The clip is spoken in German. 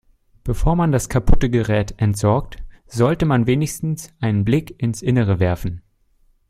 Bevor man das kaputte Gerät entsorgt, sollte man wenigstens einen Blick ins Innere werfen.